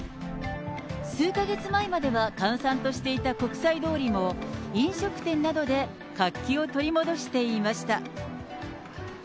数か月前までは閑散としていた国際通りも、飲食店などで活気を取り戻していました。